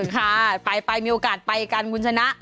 ค่ะไปมีโอกาสไปกันคุณชนะ